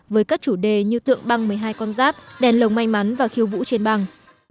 với các chủ đề như tượng băng một mươi hai con giáp đèn lồng may mắn và khiêu vũ trên băng